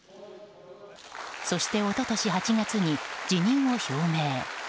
そして一昨年８月に辞任を表明。